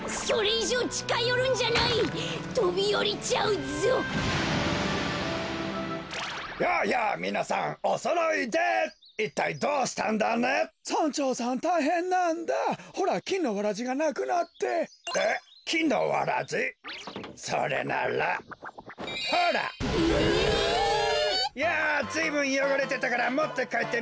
いやずいぶんよごれてたからもってかえってみがいたんだよ。